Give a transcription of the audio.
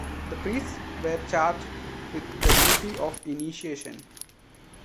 The Priests were charged with the duty of initiation.